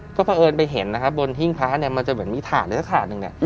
ก็เพราะเอิญไปเห็นนะครับบนหิ้งพระเนี่ยมันจะเหมือนมีถาดหรือสักถาดหนึ่งเนี่ย